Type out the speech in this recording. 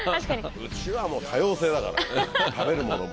うちは多様性だからね食べるものも。